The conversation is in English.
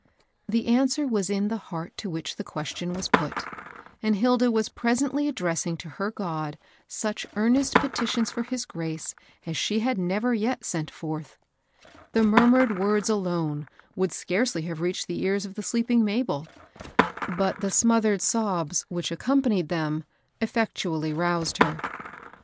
The answer was in the heart to which the ques tion was put, and Hilda was presently addressing to her God such earnest petitions for his grace aa she had never yet sent fextiv. IXi^a xjx»s:«s»ss^ 262 MABEL BOSS. words alone, would scarcely have reached the ears of the sleeping Mabel ; bat the smothered sobs which accompanied them effectually roused her.